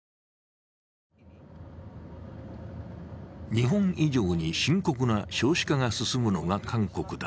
日本以上に深刻な少子化が進むのが韓国だ。